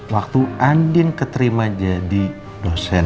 waktu andin keterima jadi dosen